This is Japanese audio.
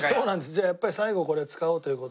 じゃあやっぱり最後これ使おうという事で。